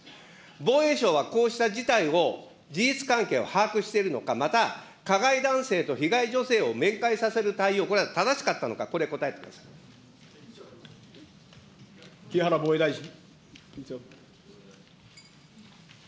防衛省はこうした事態を、事実関係を把握しているのか、また加害男性と被害女性を面会させる対応、これは正しかったのか、木原防衛大臣。